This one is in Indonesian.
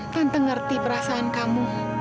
tante ngerti perasaan kamu